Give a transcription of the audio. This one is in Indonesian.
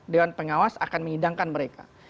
dewan pengawas akan menyidangkan mereka